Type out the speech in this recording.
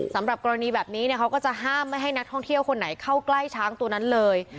สำหรับกรณีแบบนี้เขาก็จะห้ามไม่ให้นักท่องเที่ยวคนไหนเข้าใกล้ช้างตัวนั้นเลย